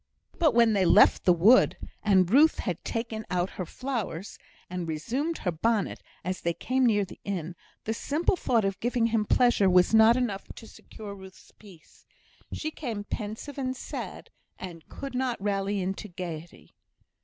But when they left the wood, and Ruth had taken out her flowers, and resumed her bonnet, as they came near the inn, the simple thought of giving him pleasure was not enough to secure Ruth's peace. She became pensive and sad, and could not rally into gaiety.